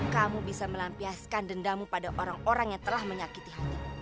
kamu bisa melampiaskan dendamu pada orang orang yang telah menyakiti hatimu